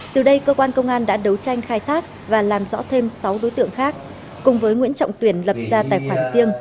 từ đây cơ quan công an đã đấu tranh khai thác và làm rõ thêm sáu đối tượng khác cùng với nguyễn trọng tuyển lập ra tài khoản riêng